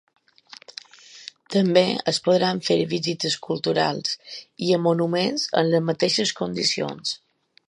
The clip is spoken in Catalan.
També es podran fer visites culturals i a monuments amb les mateixes condicions.